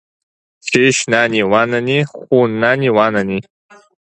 Шьышь наани, уа наани, хәхә наани, уа наани!